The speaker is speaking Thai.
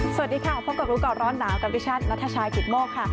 สวัสดีค่ะพบกับโลกรอดน้ำกับวิชันณฑชากิตโมคค่ะ